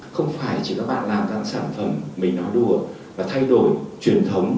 không phải chỉ các bạn làm ra sản phẩm mình nói đùa và thay đổi truyền thống